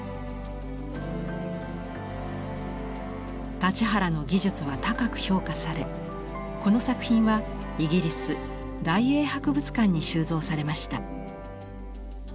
立原の技術は高く評価されこの作品はイギリス大英博物館に収蔵されました。